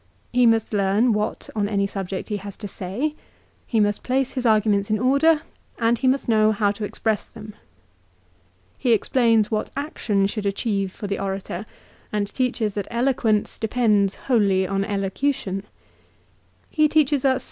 He must learn what on any subject he has to say, he must place his arguments in order, and he must know how to express them. He explains what action should achieve for the orator, and teaches that eloquence depends wholly on elocution. He tells us